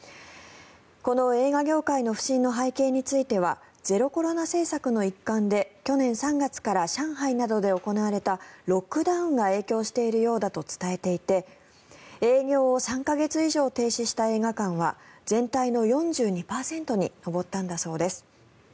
この映画業界の不振の背景についてはゼロコロナ政策の一環で去年３月から上海などで行われたロックダウンが影響しているようだと伝えていて営業を３か月以上停止した映画館は全体の４２％に上ったんだそうです。